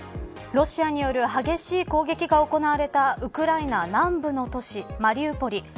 ロシアによる激しい攻撃が行われたウクライナ南部の都市マリウポリ